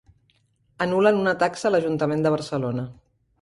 Anul·len una taxa a l'Ajuntament de Barcelona